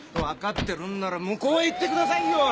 わかってるんなら向こうへ行ってくださいよ！